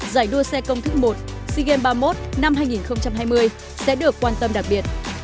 giải đua xe công thức một sea games ba mươi một năm hai nghìn hai mươi sẽ được quan tâm đặc biệt